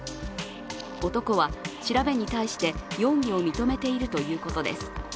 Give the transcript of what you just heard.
男は調べに対して容疑を認めているということです。